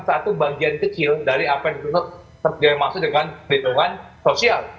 satu bagian kecil dari apa yang dimaksud dengan perlindungan sosial